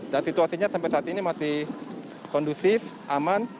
dan situasinya sampai saat ini masih kondusif aman